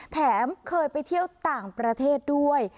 แถมเคยไปเที่ยวต่างประเทศด้วย